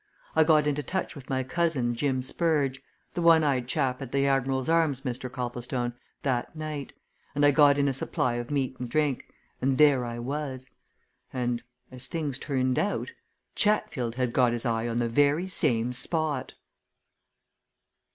I got into touch with my cousin Jim Spurge the one eyed chap at the 'Admiral's Arms,' Mr. Copplestone, that night and I got in a supply of meat and drink, and there I was. And as things turned out, Chatfield had got his eye on the very same spot!"